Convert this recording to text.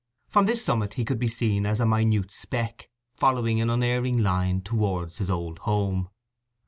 From this summit he could be seen as a minute speck, following an unerring line towards his old home.